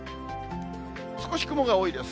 少し雲が多いです。